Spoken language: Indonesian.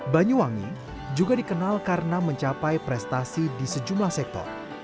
banyuwangi juga dikenal karena mencapai prestasi di sejumlah sektor